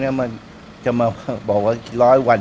ทุกอย่างหมดก็ทำตามเทิมบาท